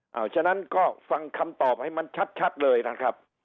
เอาฉะนั้นก็ฟังคำตอบให้มันชัดเลยนะครับ